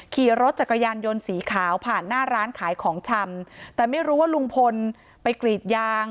ขี่รถจักรยานยนต์สีขาวผ่านหน้าร้านขายของชำแต่ไม่รู้ว่าลุงพลไปกรีดยาง